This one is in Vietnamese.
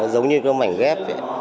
giống như cái mảnh ghép vậy